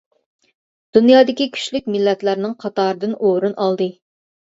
دۇنيادىكى كۈچلۈك مىللەتلەرنىڭ قاتارىدىن ئورۇن ئالدى.